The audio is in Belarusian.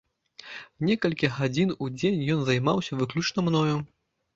Некалькі гадзін у дзень ён займаўся выключна мною.